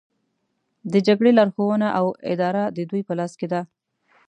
د جګړې لارښوونه او اداره د دوی په لاس کې ده